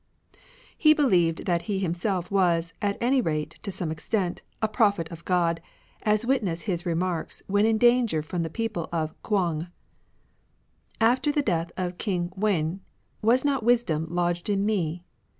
He beUeved that he himself was, at any rate to some extent, a prophet of God, as witness his remarks when in danger from the people of K'uang :—" After the death of King Wen, was not wisdom lodged in me